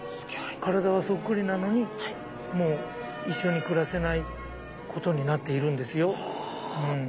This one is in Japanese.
体はそっくりなのにもう一緒に暮らせないことになっているんですよ。